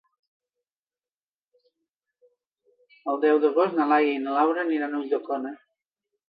El deu d'agost na Laia i na Laura aniran a Ulldecona.